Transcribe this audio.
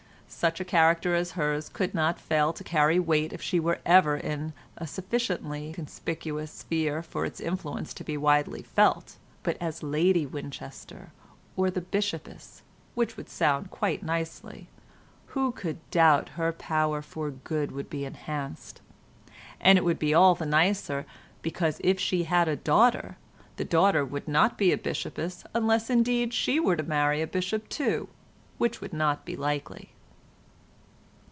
Such a character as hers could not fail to carry weight if she were ever in a sufficiently conspicuous sphere for its influence to be widely felt; but as Lady Winchester—or the Bishopess—which would sound quite nicely—who could doubt that her power for good would be enhanced? And it would be all the nicer because if she had a daughter the daughter would not be a Bishopess unless indeed she were to marry a Bishop too, which would not be likely.